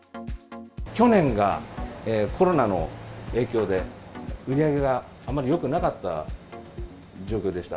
去年がコロナの影響で売り上げがあまりよくなかった状況でした。